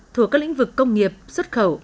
thuộc các lĩnh vực công nghiệp xuất khẩu